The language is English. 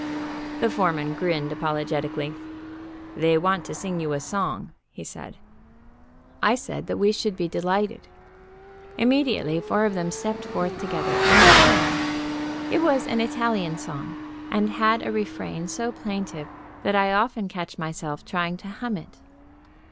The foreman grinned apologetically. "They want to sing you a song," he said. I said that we should be delighted. Immediately four of them stepped forth together and sang. It was an Italian song, and had a refrain so plaintive that I often catch myself trying to hum it.